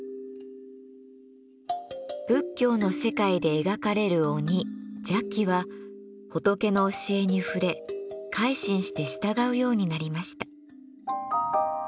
仏教の世界で描かれる鬼邪鬼は仏の教えに触れ改心して従うようになりました。